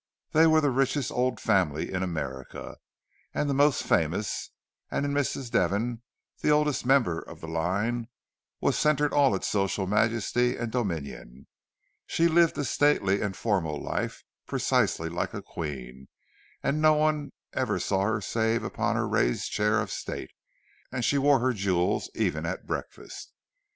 They were the richest old family in America, and the most famous; and in Mrs. Devon, the oldest member of the line, was centred all its social majesty and dominion. She lived a stately and formal life, precisely like a queen; no one ever saw her save upon her raised chair of state, and she wore her jewels even at breakfast.